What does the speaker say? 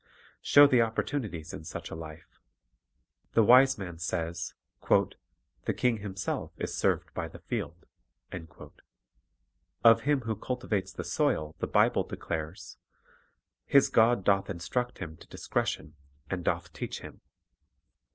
Show the opportunities in such a life. The wise man says, "The king himself is served by the field." 1 Of him who cultivates the soil the Bible declares, " His God doth instruct him to dis cretion, and doth teach him."